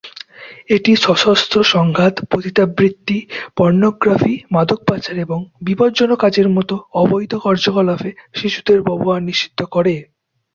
এটি সশস্ত্র সংঘাত, পতিতাবৃত্তি, পর্নোগ্রাফি, মাদক পাচার এবং বিপজ্জনক কাজের মতো অবৈধ কার্যকলাপে শিশুদের ব্যবহার নিষিদ্ধ করে।